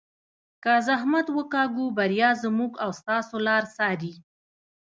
که زحمت وکاږو بریا زموږ او ستاسو لار څاري.